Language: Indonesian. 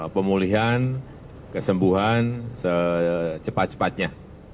pemulihan kesembuhan secepat cepatnya